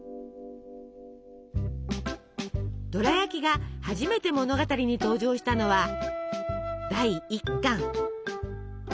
ドラやきが初めて物語に登場したのは第１巻。